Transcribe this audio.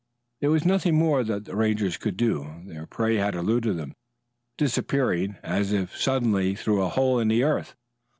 There was nothing more that the Rangers could do. Their prey had eluded them, disappearing as suddenly as if through a hole in the earth.